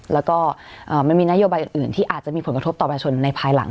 แล้วก็มันมีนโยบายอื่นที่อาจจะมีผลกระทบต่อประชาชนในภายหลัง